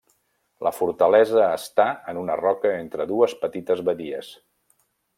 La fortalesa està en una roca entre dues petites badies.